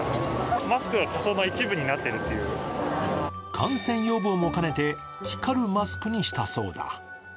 感染予防も兼ねて光るマスクにしたそうだ。